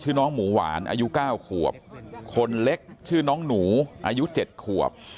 น้องหมูหวานอายุ๙ขวบคนเล็กชื่อน้องหนูอายุ๗ขวบ